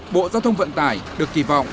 bộ giao thông vận tải được kỳ vọng